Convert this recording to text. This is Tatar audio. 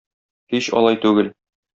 Һич алай түгел.